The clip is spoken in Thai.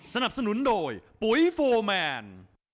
สนับสนุนโดยปุ๋ยโฟร์แมน